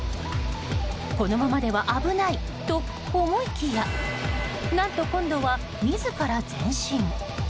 このままでは危ないと思いきや何と、今度は自ら前進。